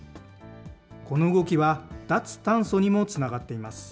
この動きは、脱炭素にもつながっています。